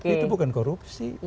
itu bukan korupsi